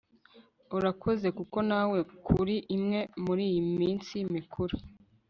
Urakoze kuko nawe kuri imwe muriyi minsi mikuru